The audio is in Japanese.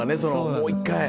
もう一回。